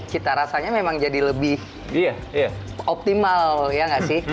cita rasanya memang jadi lebih optimal ya nggak sih